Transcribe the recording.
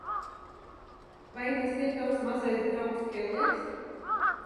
Vai tas ir tavs mazais draugs Kellers?